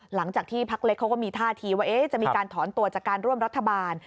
หลังจากที่พักเล็กเขาก็มีท่าทีว่าจะมีการถอนตัวจากการร่วมรัฐบาล